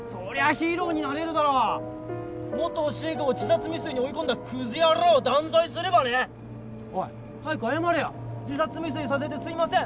ヒーローになれるだろ元教え子を自殺未遂に追い込んだクズ野郎を断罪すればねおい早く謝れよ自殺未遂させてすいません